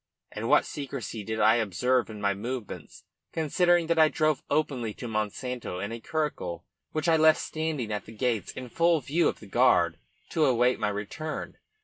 And what secrecy did I observe in my movements, considering that I drove openly to Monsanto in a curricle, which I left standing at the gates in full view of the guard, to await my return?